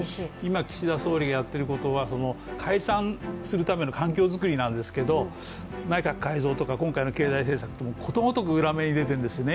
今、岸田総理がやってることは解散するための環境づくりなんですけど内閣改造とか今回の経済政策とか、ことごとく裏目に出ているんですね。